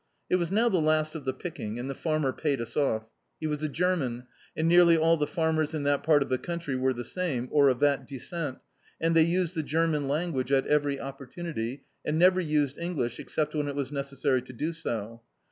It was now the last of the picking, and the farmer paid us off. He was a German, and nearly all the farmers in that part of the country were the same, or of that descent, and they used the German Ian* guage at every opportunity, and never used English except when it was necessary to do so.